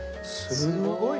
すごい！